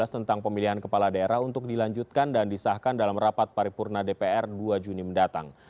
tentang pemilihan kepala daerah untuk dilanjutkan dan disahkan dalam rapat paripurna dpr dua juni mendatang